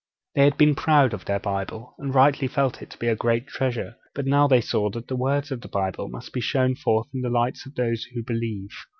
They had been proud of their Bible, and had rightly felt it to be a great treasure; but now they saw that the words of the Bible must be shown forth in the lives of those who believe.